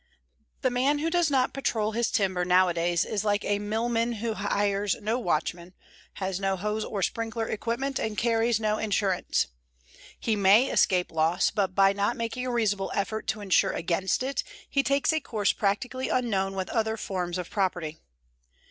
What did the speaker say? The man who does not patrol his timber nowadays is like a millman who hires no watchman, has no hose or sprinkler equipment, and carries no insurance. He may escape loss, but by not making a reasonable effort to insure against it he takes a course practically unknown with other forms of property.